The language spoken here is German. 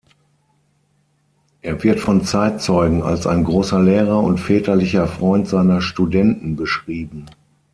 Er wird von Zeitzeugen „als ein großer Lehrer und väterlicher Freund seiner Studenten“ beschrieben.